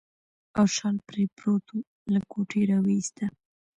او شال پرې پروت و، له کوټې راوایسته.